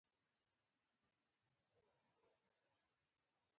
د اپټا تړون ستونزې حل شوې؟